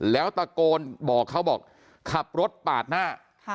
แล้วตะโกนบอกเขาบอกขับรถปาดหน้า